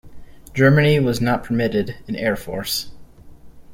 Germany was not permitted an air force.